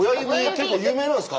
結構有名なんですか？